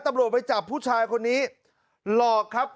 ตำรวจไปจับผู้ชายคนนี้หลอกครับ